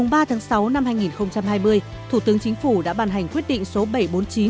ngày ba tháng sáu năm hai nghìn hai mươi thủ tướng chính phủ đã bàn hành quyết định số bảy trăm bốn mươi chín